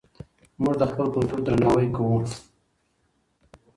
موږ د خپل کلتور درناوی کوو.